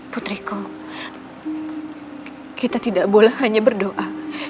putriku kita tidak boleh hanya berdoa